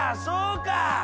そうか。